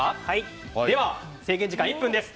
では制限時間１分です。